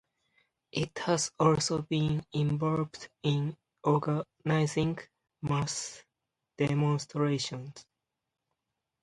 It has also been involved in organizing mass demonstrations.